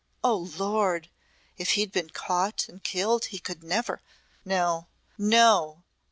Oh, lord! If he'd been caught and killed he could never No! No!"